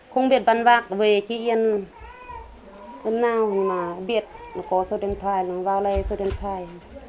không biết bán vạc về chị yên nhưng mà biết nó có số điện thoại nó vào lấy số điện thoại